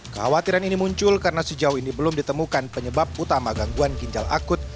kekhawatiran ini muncul karena sejauh ini belum ditemukan penyebab utama gangguan ginjal akut